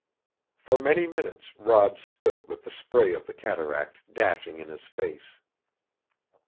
For many minutes Rod stood with the spray of the cataract dashing in his face.